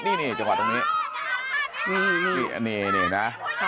นี่จังหวะตรงนี้นี่นะ